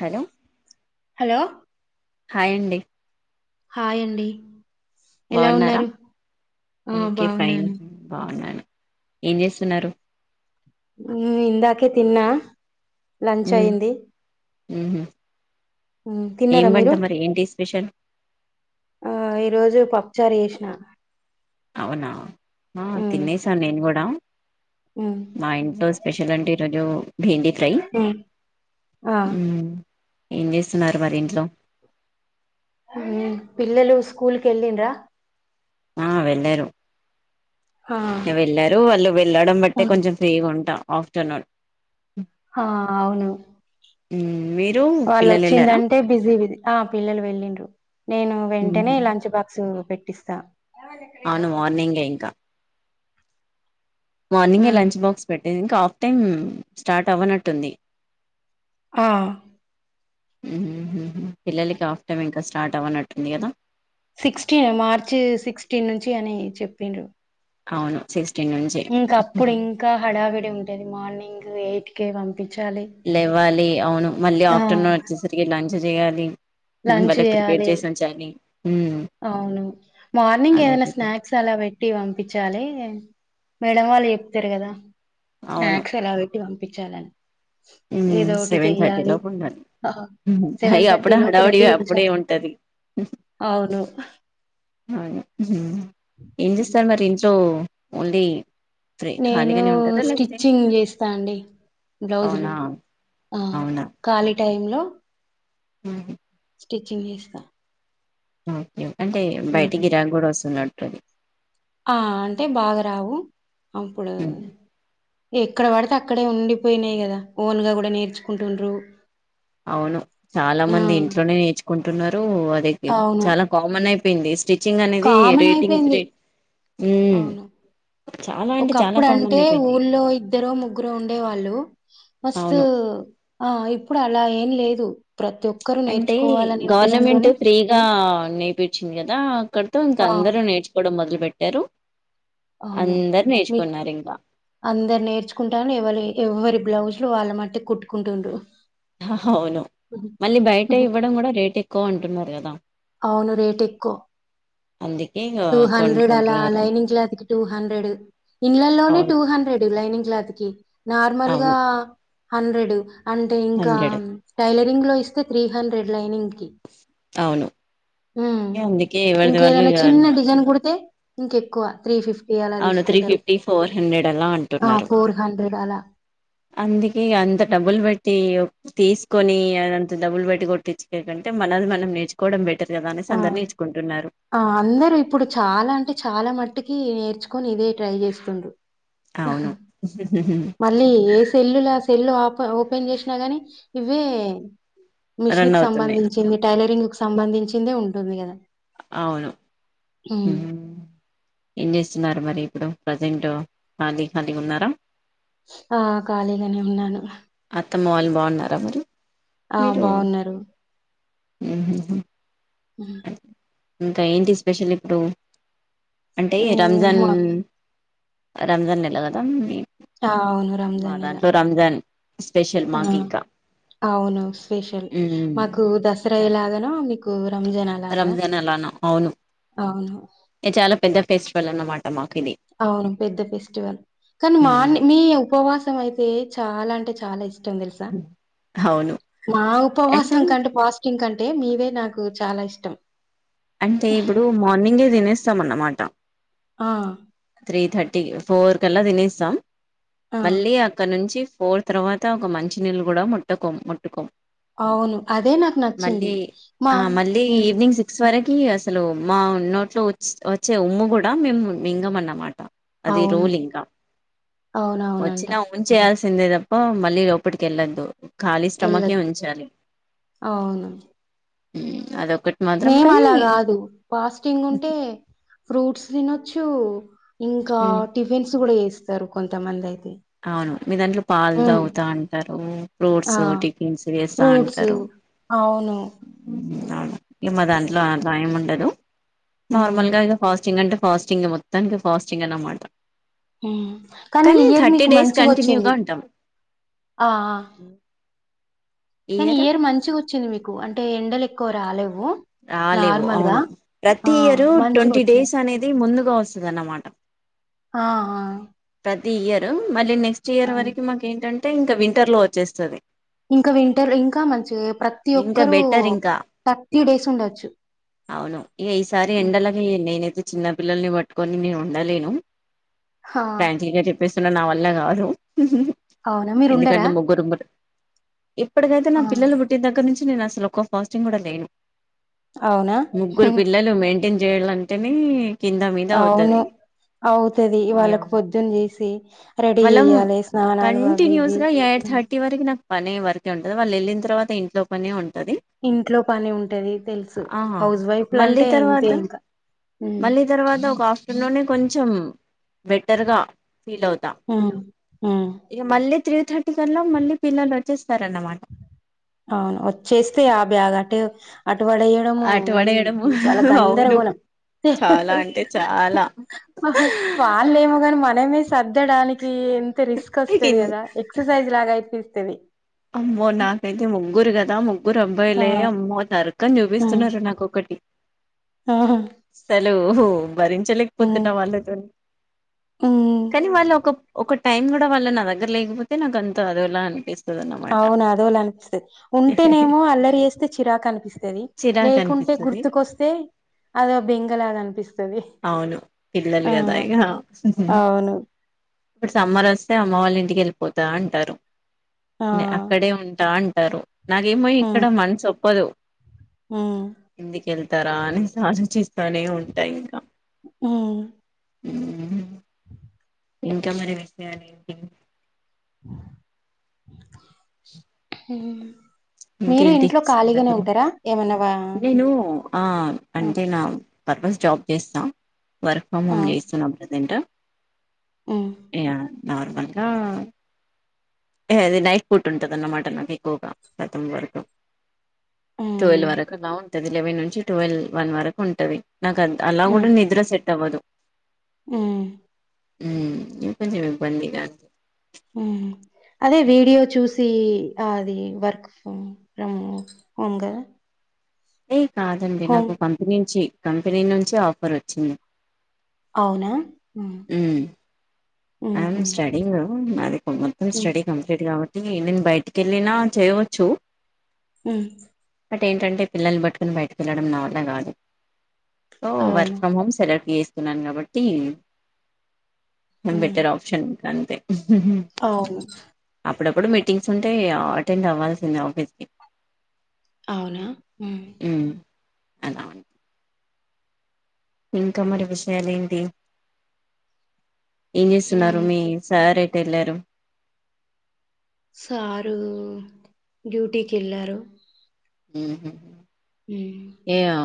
Hello hello హాయండి hi అండి ఎలా బాగున్నారా ఉన్నారు ఆ ఓకే ఫైన్ై బాగున్నాను బాగున్నాను ఏం చేస్తున్నారు ఉ ఇందాకే తిన్నా లంచ్ ఉమ్ అయి్యంది ఉహు ఏం తిన్నారా వంట మీరు మరి ఏంటి స్పెషల్ ఈరోజు ప పప్పు చారు చేసిన అవునా ఆ మ్మ్ తినేసా నేను కూడా మ్మ్ మా ఇంట్లో స్పెషలంటే ఈరోజు బెండి ఫ్రై మ్మ్ ఆ ఏం చేస్తున్నారు మరి ఇంట్లో పిల్లలు స్కూల్ కి వెల్లిన్రా ఆ వెళ్ళరు ఆ వెళ్ళారు వాళ్ళు వెళ్ళడం ఆ బట్టే కొంచెం ఫ్రీగా ఉంటా ఆఫ్టర్నుూన్ ఆ అవును ఉమ్ మీరు వాళ్ళు పిల్లలు వెళ్ళారా వచ్చిందంటే బిజీ ఆ పిల్లలు వెళ్ళిండ్రు నేను ఉహు వెంటనే లంచ్ బాక్స్ పెట్ పిస్తా అవును మార్నింగే ఇంకా మార్నింగే లంచ్ బాక్స్ పెట్టి ఇంకా ఆఫ్ టైం స్టార్ట్ అవ్వనట్టుంది ఆ పిల్లలకి హాఫ్ టైమ్ ఇంకా స్టార్ట్ అవ్వనట్టుంది కదా సిక్స్టీన్ మార్చి సిక్స్టీన్ నుంచి అని చెప్పింరూ అవును చే ఇంకా అప్పుడు ఇంకా హడావిడి ఉంటది మార్నింగ్ ఎయిట్ కే పంపించాలి లేవ్వాలి అవును మళ్ళీ ఆ ఆఫ్టర్నూన్ వచ్చేసరికి లంచ్ చేయాలి లంచ్ వాళ్ళకి ప్రిపేర్ చేయాలి చేసి ఉంచాలి ఉమ్, అవును మార్నింగ్ అదే ఏదైనా కదా. స్నాక్స్ అలా పెట్టి పంపించాలే మేడం వాళ్ళు చెప్పిరు కదా అవును స్నాక్స్ ఎలా టి పంపించాలని ఏదో ఒకటి సెవెన్ థర్టీ చెయ్యాలి లోపూ ఉండాలి ఆ అయ సెవెన్ థర్టీ అప్పుడే లోపు హడావిడి రెడీ అప్పుడే ఉంచాలి ఉంటది అవును అవు ఏం చేస్తాన్నారు ఇంట్లో ఓన్లీ ఫ్రీ నేను ఖాళీగానే ఉంటారా లేకపోతే స్టిచ్చింగ్ చేస్తా అండి బ్లౌ జ్ అవునా లు ఆ కాలిగా టైమ్ లో హ్మ్మ్ స్టిచ్చింగ్ చేస్తా ఓకే అంటే బయట హ్మ్. గిరాక కూడా వస్తున్నాడు తది ఆ అంటే బాగా రావు అప్పుడు ఉమ్. ఎక్కడ పడితే అక్కడే ఉండిపోయినాయి కదా ఓన్ గా కూడా నేర్చుకుంటుండు అవును చాలా మంది ఇంట్లోనే నేర్చుకుంటున్నారు అది అవును చాలా కామన్ అయిపో పోయింది స్టిచ్చింగ్ అనేది కామన్ రేటింగ్ అయిపోయింది అవును చాలా అంటే చాలా ఒకప్పుడు కామన్ అంటే అయిపోయింది ఊళ్ళో ఇద్దరో ముగ్గురో ఉండేవాళ్ళు మస్తు అవును ఆ ఇప్పుడు అలా ఏం లేదు ప్రతి ఒక్కరు అంటే నేర్చుకోవాలని ఇంట్రెస్ట్ గవర్నమెంట్ తోని ఫ్రీగా నేపించింది కదా కదతో ఆ ఇంకందరు నేచుకోవడం మొదలు పెట్టారు అవును అందరు మీ నేర్చుకున్నారు ఇంకా అందరు నేర్చుకుంటాను ఎవరి ఎవరి బ్లౌజ్ లు వాళ్ళ మట్టికి కుట్టుంటుండ్రు అవును మళ్ళీ బయట ఇవ్వడం కూడా రేట్ ఎక్కువ అంటున్నారు గదా అవును రేట్ ఎక్కువ అందుకే ఇగ టూ హండ్రెడ్ అలా కొనుక్కుంటున్నారు లైనింగ్ క్లాత్ కి టూ హండ్రెడ్ ఇంలలోనే అవును టూ హండ్రెడ్ లైనింగ్ క్లాత్ కి నార్మల్గా అవును హండ్రెడు అంటే ఇంకా హండ్రెడ్ టైలెట్ లో ఇస్తే త్ర హండ్రెడ్ లైనింగ్ కి అవును ఉమ్ అందుకే ఎవరిది వాళ్ళు ఇంకేదైనా చిన్న ఇగ డిజైన్ కుడితే ఇంక ఎక్కువ త్రీ ఫిఫ్టీ అలా అవును త్రీ తీసుకుంటారు ఫిఫ్టీ ఫోర్ హండ్రెడ్ అలా ఆ అంటున్నారు ఫోర్ హండ్రెడ్ అలా అందుకే అంత డబ్బులు బట్టి తీసుకొని అదంత డబ్బులు పెట్టి కొట్టించు కంటే మనది మనం నేర్చుకోవడం బెటర్ కదా అనేసి ఆ అందరు నేర్చుకుంటున్నారు ఆ అందర ఇప్పుడు చాలా అంటే చాలా మ టికి నేర్చుకొని ఇదే ట్రై చేస్తుండ్రు అవును మళ్ళీ ఏ సెల్లులా సెల్ ఓప ఓపెన్ చేసినా గానీ ఇవే మిషన్ రన్ క అవుతున్నాయి సంబంధించింది టైలరింగ్ కు సంబంధించి చిందే ఉంటుంది కదా అవును హ్మ్. ఏం చేస్తున్నారు మరి ఇప్పుడు ప్రజెంట్ ఖాళీ ఖాళీగా ఉన్నారా ఆ కాాలిగానే ఉన్నాను అత్తమ్మ వాళ్ళు బాగున్నారా మరి ఆ బాగున్నారు ఆ ఉ ఇంకా ఏంటి స్పెషల్ ఇప్పుడు అంటే రంజాన్ రంజా నెలగదా ఆ అవును రంజాన్లా స్పెషల్ ఆ మాకు ఇంకా అవును స్పెషల్ మాకు దసరా సరే ఎలాగాన మీకు కోరు రంజాన్ అలానా అవును అవును ఇ చాలా పెద్ద ఫెస్ట్ వెళ్లనమాటమాకు అవును పెద్ద ఫెస్టివల్ కానీ మా ఉమ్ మీ ఉపవాస ఇష్టం అయితే చాలా అంటే చాలా ఇష్టం తెలుసా అవును మా ఉపస అంటే కంటే పాస్టింగ్ క అంటే మీవే నాకు చాలా ఇష్టం అంటే ఇప్పుడు మార్నింగే తినేస్తాం అన్నమాట ఆ త్రీ థర్టీ ఫోర్కల్లా తినేస్తాం ఆ మళ్ళీ అక్కడ నుంచి పోర్ తర్వాత ఒక మంచి నీళ్ళు కూడా ముట్టుకోము ముట్టుకోము అవును అదే నాకు నచ్చింది మా ఆ మళ్ళీ ఈవినింగ్ సిక్స్ వరకి అసలు మా నోట్లో వచ్చే ఉమ్ము కూడా మేము మింగము అమాట అది అవును. రూలయింకా అవునవునంట. వచ్చినా ఊన్ చేయాల్సి చెందేదప్ప మళ్లీ లోప్పట్కి ఎళ్ద్దు ఖాళీ స్టమక్ ఎళ్ళొద్దు. ఉంచాలి అవును. అద మేము అలా కాదు పాస్టింగ్ ఉంటే ఫ్రూట్స్ దినచ్చు ఇంకా హ్మ్. టిఫిన్స్ కూడా చేసి ఇస్తారు కొంత మంది అయితే అవును మీ దాంట్లో పాలు తాగుతా అంటారు ఫ్రూట్స్ ఆ! టిఫిన్స్ చేస్తా ఫ్రూట్స్ అంటారు అవును. అవును ఇ మా దాంట్లో అలా ఏం ఉండదు హ్మ్. నార్మల్ గా ఇగా ఫాస్టింగ్ అంటే ఫాస్టింగ్ మొత్తానికి ఫాస్టింగ్ అనమాట హ్మ్మ్ కానీ ఇయర్ మీ డేస్ మంచిగా కంటిన్యూ గా వచ్చింది ఉంటాం ఆ కానీ ఇయర్ మంచిగా వచ్చింది మీకు క్ అంటే ఎండలు ఎక్కువ రాలేవు రాలేవు నార్మల్‌గా. అవును ఆ! ప్రతి ఇయర్ ట్వంటీ మంచిగొచ్చింది. డేస్ అనేది ముందు వస్తుందన్నమాట ఆ ఆ ది ఇయర్ మళ్ళీ నెస్ట్ ఇయర్ అవును. వరకు మాకు ఏంటంటె అంటే ఇంకా వింటర్ లో వచ్చేస్తాది ఇంకా వింటర్ ఇంకా మంచిగా ప్రతి ఇంకా ఒక్కరూ బెటర్ ఇంకా థర్టీ డేస్ ఉండచ్చు అవును ఇక ఈసారి ఎండలకి నేనైతే చిన్న పిల్లల్ని పట్టుకొని నేను ఉండలేను హా ఫ్రాంక్లీ చెప్పేస్త నా వల్ల కాదు అవునా మీరు ఉండరా ఎందుకంటె ముగ్గురు ఉమ్ ఇప్పటికైతే నా ఆ పిల్లలు పుట్టిన దగ్గర నుంచి నేను అసలు ఒక్క ఫాస్టింగ్ కూడా లేను అవునా ముగ్గురు పిల్లలు మెయింటైన్ చేయాలంటేనే కింద మీద అవుతది అవును అవుతది వాళ్ళకు పొద్దున్న లెసి మళ్ళం కంటిన్యూస్ ఇవి గా ఎయిట్ థర్టీ వరకు నాకు పనె ఉంటది వాళ్ళు వెళ్ళిన తరువాత ఇంట్లోనే పనే ఉంటది ఇంట్లో పని ఉంటది తెలుసు ఆ హౌస్ వైఫ్ లు మళ్ళీ అంటే ఇంతే తర్వాత ఇంకా ఉమ్ మళ్ళీ తర్వాత ఒక ఆఫ్టర్నూనే కొంచెం బెటర్గా ఫీల్ అవుతా ఉమ్ ఉమ్ ఇక మళ్ళీ త్రీ థర్టీ కలా మళ్ళీ పిల్లలు వచ్చేస్. అవును వచ్చేస్తే ఆ బ్యాగ్ అటే అటు పడైయడము ఆట పడేయడము చాలా అవును గందరగోళం చాలా అంటే చాలా వాళ్ళ ఏమో కాని మనమే. సర్దడానికి ఎంత రిస్క్ వస్తది. కిన్ కదా ఎక్సర్సైజ్ లాగా అయితే చేస్తది అమ్మో నాకైతే ముగ్గురు కదా ముగ్గురు ఆ అబ్బాయిలే అమ్మో నరకం చూపిస్తున్నారు నాక్కోటి ఆహా హలో భరించలేకపోతున్నా వాళ్ళతోని ఉమ్ కానీ వాళ్ళు ఒక ఒక టైమ్ కూడా వాళ్ళ నా దగ్గర లేకపోతే నాకు అంత అదోలా అనిపిస్తుంది. అవును అదోల అనిపిస్తది. ఉంటేనేమో అల్లరి చేస్తే చిరాకు అనిపిస్తది. చిరాకు లేకుంటే అనిపిస్తది గుర్తుకొస్తే అదో బెంగలాగా అనిపిస్తది. అవును పిల్లలు ఆ కదా ఇగా అవును ఇప్పుడు సమ్మర్ వస్తే అమ్మ వాళ్ళ ఇంటికి వెళ్ళిపోతా అంటారు. ఆ అక్కడే ఉంటా. టారు నాకేమో ఇక్కడ ఉమ్ మనసు ఒప్పదు. ఉమ్ ఎందుకు వెళ్తారా అనే ఆలోచిస్త. అనే ఉంటాయి ఇంకా అ ఉ ఇంకా మరి విషయాలేంటి. ఉం ఇంకేంటి సంగతలు ఏమన్నా వా నేను ఆ ఆ అంటే నా పర్పస్ జాబ్ చేస్తా. వర్క్ ఫ్రమ్ ఆ హోమ్ చేస్తున్న ప్రెసెంట్. ఉమ్ యా నార్మల్గా. అది నైట్ పూట ఉంటది అన్నమాట నాకు ఎక్కువగా శాతం వర్క్ ఉమ్ ట్వెల్వ్ వరకు అలా ఉంటది లెవెన్ నుంచి ట్వెల్వ్ వన్ వరకు ఉంటది. నాకు అద్ అలా కూడా నిద్ర సెట్ అవ్వదు. ఆ హ్ ఇంకొంచెం ఇబ్బంది నాకు. హ్ అదే వీడియో చూసి అది work from from home home కదా. ఏ కాదండి హోమ్ నాకు కంపెనీ నుంచి కంపెనీ నుంచి ఆఫర్ వచ్చింది. అవునా ఉమ్ హ్ ఆమ్ ఉహు స్టడింగ్ అది మొత్తం ఉమ్ స్టడీ కంప్లీట్ కాబట్ నేను బయటికి వెళ్ళిన చేయవచ్చు. హ్ బట్ ఏంటంటే పిల్లల్ని పట్టుకొని బయటకి వెళ్ళడం నా వల్ల కాదు. సో వర్క్ అవును ఫ్రమ్ హోమ్ సెలెక్ట్ చేసి కున్నాను కాబట్టి ఉమ్ బెటర్ ఆప్షన్. అంతే అవును అప్పుడప్పుడు మీటింగ్స్ ఉంటయి అటెండ్ అవ్వాల్సిందే ఆఫీస్కి. అవునా హ్ [inaudible] ఇంకా మరి విషయాలు ఏంటి. ఏం చేస్తున్నారు మీ ఇంక్ సార్ ఎ టెల్లారు. సారు డ్యూటీకి ఎళ్ళారు. హుహ్ ఏ ఆ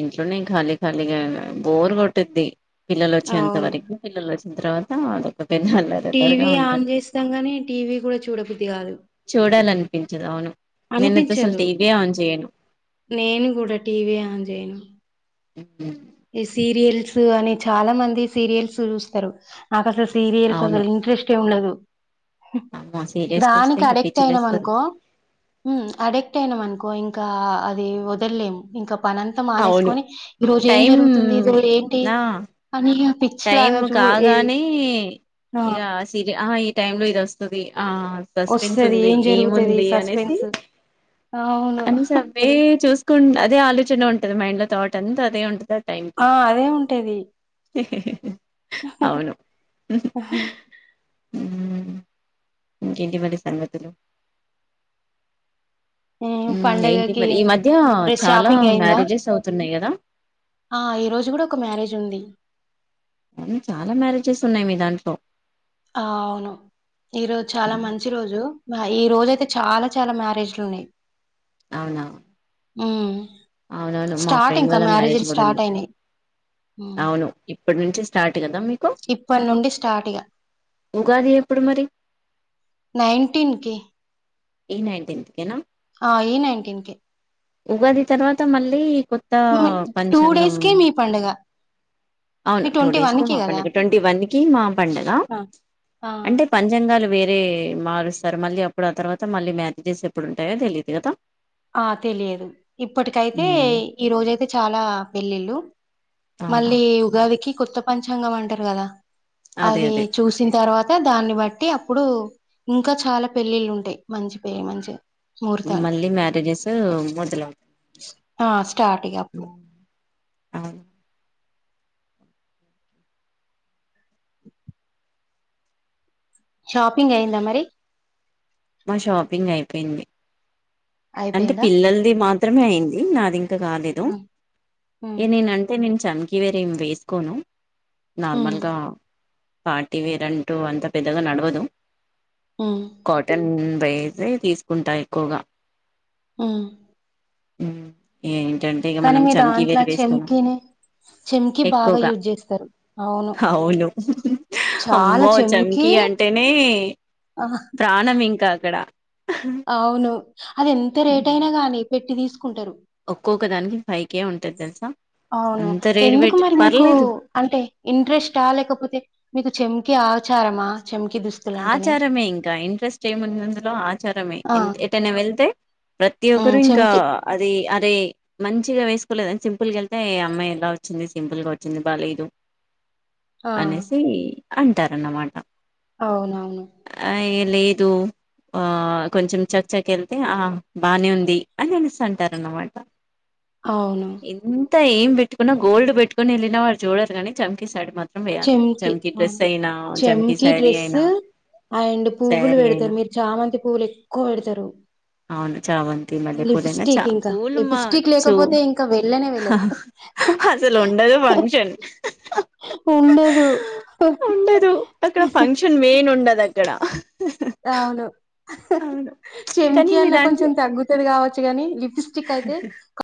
ఇంట్లోనే ఖాళీ ఖాళీగా బోర్ కొట్టుద్ది. పిల్లలు వచ్చేంత అవును వరకి పిల్లలు వస్ తర్వాత [inaudible] అల్లరిగా టీవీ ఆన్ ఉంటది చేస్తాం గానీ టీవీ కూడా చూడబుద్ది కాదు. చూడాలనిపించదు అవును. నేనైతే అసలు అనిపించదు టీవీ ఆన్ చేయను నేను కూడా టీవీ ఆన్ చేయను. ఉమ్, ఈ సీరియల్స్ అని చాలా మంది సీరియల్స్ చూస్తారు నాకు అస సీరియల్స్ అవును అసలు ఇంట్రెస్టే ఉండదు అమ్మో సీరియస్ చూస్తే దానికి ఇంకా అడెక్ట్ అయినం పిచ్చిలేస్తది అనుకో అడిక్ట్ అయినం అనుకో ఇం గా అది వదలేం ఇంక పనంత అవును మానేసుకొని ఈ రోజు ఏం జ టైం జరుగుతుంది ఇది ఏంటి అని పిచ్చి టైమ్ లాగా చూడు ఏది కాగానే ఆ ఇగ ఆ ఈ టైమ్ లో ఇది వస్తది ఆ సస్పెన్స్ వస్తది ఉంది ఏం జరుగుతది ఏముంది అనేసి సస్పెన్స్ అవును అనేసి అవే చూస్ ట్ అదే ఆలోచన ఉంటది మైండ్ లో థాట్ అంత అదే ఉంటద ఆ అదే ఉంటది అవును ఉ ఇంకేంటి మరి సంగతులు ఉ హ్మ్ ఏంటి పండగకి మరి ఈ మధ్య మీ చాలా షాపింగ్ అయిందా మ్యారేజెస్ అవుతున్నాయి కదా ఆ ఈ రోజు కూడా ఒక మ్యారేజ్ ఉంది ఉ చాలా మ్యారేజెస్ ఉన్నాయి మీ దాంట్లో ఆ అవును ఈరోజు చాలా హ్మ్. మంచి రోజు ఆ ఈ రోజు అయితే చాలా చాలా మ్యారేజ్ లు ఉన్నాయ్ అవునా ఆ అవునవును మా ఫ్రెండ్ వాళ్ళ మ్యారేజ్ కూడా ఉంది స్టార్టయినాయి. హ్మ్. అవును ఇప్పటి నుంచి స్టార్ట్ కదా మీకు ఇప్పటి నుండి స్టార్ట్ ఇగా ఉగాది ఎప్పుడు మరి నైన్టీన్ కి ఈ నైన్టీన్త్ కెనా ఆ ఈ నైన్టీన్ కే ఉగాది తర్వాత మళ్ళీ కొత్త టూ పంచాంగం డేస్ కే మీ పండగ అవును మీ టూ డేస్ కే మా గదా! పండుగ ట్వంటీ వన్ కి మా పండగ ఆ! ఆ! అంటే పంచంగాలు వేర్ రే మారుస్తారు మళ్ళీ అప్పుడు ఆ తర్వాత మళ్ళీ మ్యారేజెస్ ఎప్పుడుంటాయో తెలియదు కదా ఆ తెలియదు ఇప్పటికైతే ఉమ్ ఈ రోజయితే చాలా పెళ్లిళ్ళు అవునా మళ్ళీ ఉగా దికి కొత్త పంచాంగం అంటారు కదా అదే అది అదే చూసిన తర్వా దాన్ని బట్టి అప్పుడు ఇంకా చాలా పెళ్ళిళ్ళు ఉంటాయి మంచి పెళ్ మంచిగ ముహూర్తాలు మళ్ళీ మ్యారేజెస్ మొదలవు ఆ స్టార్ట్ ఇగ అప్పుడు షాపింగ్ అయిందా మరి మా షాపింగ్ అయిపోయింది అంటే అయిపోయిందా పిల్లలది మాత్రమే అయింది ది నాది కాలేదు ఉమ్ ఉమ్ ఏ నేనంటే నేను చని కవేరేమి వేసుకోను ఉమ్ నార్మల్గా పార్టీ వేరంటూ అంత పెద్దగా నడవదు ఉమ్ కాటన్ ప్రైజ తీసుకుంటా ఎక్కువగా ఆ ఉమ్ ఉమ్ ఏంటంటే ఇక మనం మీ చమకీ వర దాంట్లో వేసుకున్నాం చెంకిని చెంకి బాగా ఎక్కువగా యూజ్ చేస్తారు అవును చాలా అమ్మో చెంకి చంకీ అంటేనే ఆ ప్రాణం ఇంకా అక్కడ అవును అవి ఎంత రేట్ అయినా గానీ పెట్టి తీసుకు టురూ ఒక్కొక్క దానికి ఫైవ్ కే ఉంటది తెలుసా అవును అంత రేట్ ఎందుకు పెట్టి మరి మీకు పర్లేదు అంటే ఇంట్రెస్ట్ లేకపోతే మీకు చెప్ప కి ఆచారమన ఆచారమే ఇంకా ఇంట్రెస్ట్ ఏముంది అందులో ఆచారమే ఆ! ఎటైనా వెళ్తే ప్రతి హ్మ్. ఒక్కరు ఇంకా చెంకి అది అరే మంచిగా వేసుకోలేదని సింపుల్ గ వెళ్తే అమ్మాయి ఎలా వచ్చింది సింపుల్ గా వచ్చింది బాలేదు ఆ! అనేసి అంటారన్నమాట అవునవును ఆ, ఏ లేదు ఆహ్ కొంచెం చక్చాక్ వెళ్తే ఆహ్ బానే ఉంది అని అనిస్తుంటారునమాట అవును. ఎంత ఏం పెట్టుకున్న గోల్డ్ పెట్టుకని వెళ్ళిన వాళ్ళు చూడరు కానీ చంకి సైడు మ వేయాలి చెంకి చంకి డ్రెస్ అయినా చంకి శారీ అయినా డ్ అండ్ పువ్వులు శారీ అయినా పెడుతరు మీరు చామంతి పువ్వులు ఎక్కువ పెడుతరు అవును చామంతి మల్లె పూలైనా చా పూవులు లిప్‌స్టిక్ మచ్చు లేకపోతే ఇంకా వెళ్ళనే వెళ్ళరు. అసలు ఉండదు ఫంక్షన్ ఉండదు. ఉండదు అక్కడ ఫంక్ష మెయిన్ ఉండదు అక్కడ అవును అవును కానీ చెంకి మీ అన్న దాంట్లో కొంచెం తగ్గుతది కావచ్చు గాని లిప్ స్టికైతే క్